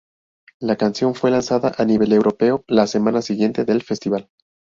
La canción fue lanzada a nivel europeo la semana siguiente del festival.